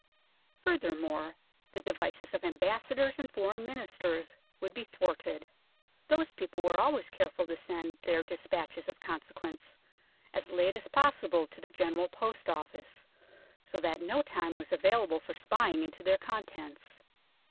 Furthermore, the devices of Ambassadors and Foreign Ministers would be thwarted. Those people were always careful to send their de spatches of consequence as late as possible to the General Post Office, so that no time was available for spying into their contents.